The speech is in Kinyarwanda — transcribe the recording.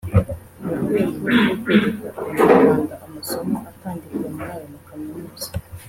mu rwego rwo kwereka Abanyarwanda amasomo atangirwa muri ayo makaminuza